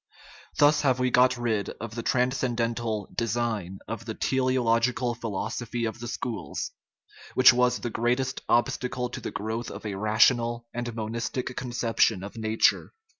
Thus have we got rid of the transcendental "design" of the teleological philosophy of the schools, which was the greatest obstacle to the growth of a rational and mon istic conception of nature.